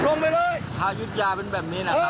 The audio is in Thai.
ลงไปเลยอายุทยาเป็นแบบนี้แหละครับ